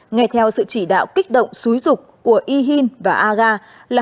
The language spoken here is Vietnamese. nghe theo sự thông tin ycret bia đã tham gia vào tổ chức phản động hội thánh tin lành đấng cô đích tây nguyên